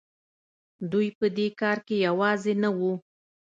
دوی په دې کار کې یوازې نه وو.